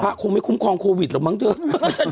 พระคุ้มไม่คุ้มครองโควิดเหรอมั้งเจ้า